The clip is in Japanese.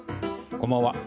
こんばんは。